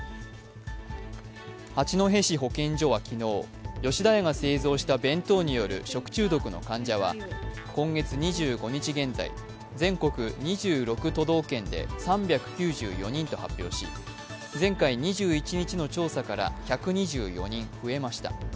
八戸市保健所は昨日、吉田屋が製造した弁当による食中毒の患者は今月２５日現在、全国２６都道県で３９４人と発表し、前回２１日の調査から１２４人増えました。